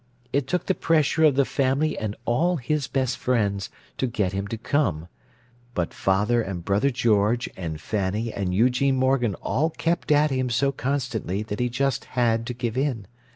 It took the pressure of the family and all his best friends, to get him to come—but father and brother George and Fanny and Eugene Morgan all kept at him so constantly that he just had to give in.